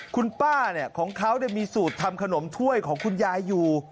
คุณป้าของเขามีสูตรทำขนมถ้วยของคุณยายอยู่